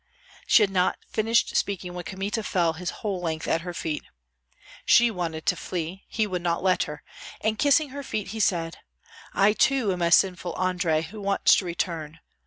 She had not finished speaking when Kmita fell his whole length at her feet. She wanted to flee; he would not let her, and kissing her feet, he said, "I too am a sinful Andrei, who wants to return.